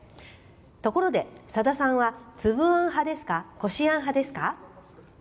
ところで、さださんはつぶあん派ですかこしあん派ですか」。